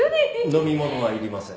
飲み物はいりません。